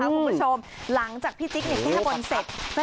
คุณผู้ชมหลังจากพี่จิ๊กแก้บนเสร็จ